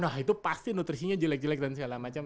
wah itu pasti nutrisinya jelek jelek dan segala macem